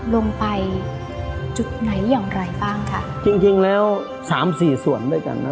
ลงไปจุดไหนอย่างไรบ้างค่ะจริงจริงแล้วสามสี่ส่วนด้วยกันนะ